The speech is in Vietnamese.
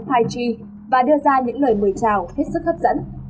phai chi và đưa ra những lời mời chào hết sức hấp dẫn